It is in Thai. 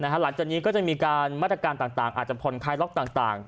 หลังจากนี้ก็จะมีการมาตรการต่างอาจจะผ่อนคลายล็อกต่าง